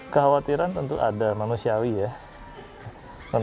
kekhawatiran tentu ada manusiawi ya